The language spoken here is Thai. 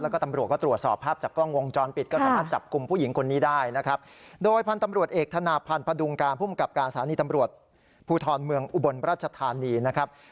แล้วก็ตำรวจก็ตรวจสอบภาพจากกล้องวงจรปิด